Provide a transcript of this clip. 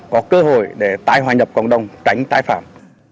có cơ hội để tai hòa nhập cộng đồng tránh tai phạm